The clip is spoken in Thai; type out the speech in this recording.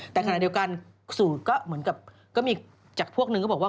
แต่ขณะเดียวกันสูตรก็เหมือนกับก็มีจากพวกนึงก็บอกว่า